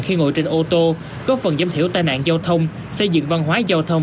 khi ngồi trên ô tô có phần giám thiểu tai nạn giao thông xây dựng văn hóa giao thông